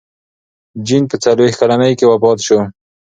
جین په څلوېښت کلنۍ کې وفات شوه.